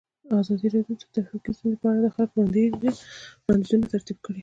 ازادي راډیو د ټرافیکي ستونزې په اړه د خلکو وړاندیزونه ترتیب کړي.